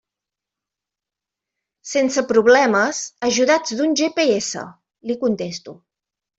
«Sense problemes, ajudats d'un GPS», li contesto.